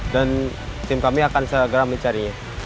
dan tim kami akan segera mencari